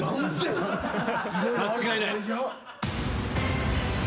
間違いない。